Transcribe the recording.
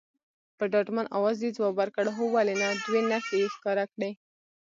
په ډاډمن اواز یې ځواب ورکړ، هو ولې نه، دوې نښې یې ښکاره کړې.